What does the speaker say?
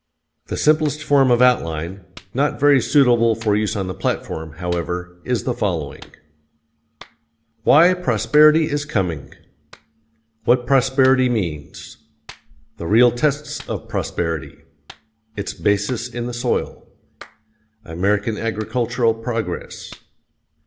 The simplest form of outline not very suitable for use on the platform, however is the following: WHY PROSPERITY IS COMING What prosperity means. The real tests of prosperity. Its basis in the soil. American agricultural progress.